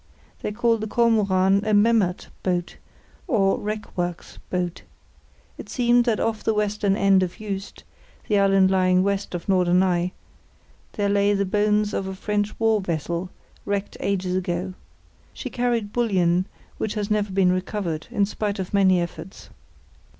They called the Kormoran a Memmert boat, or "wreck works" boat. It seemed that off the western end of Juist, the island lying west of Norderney, there lay the bones of a French war vessel, wrecked ages ago. She carried bullion which has never been recovered, in spite of many efforts.